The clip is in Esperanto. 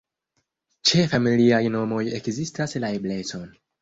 Ĉe familiaj nomoj ekzistas la eblecon.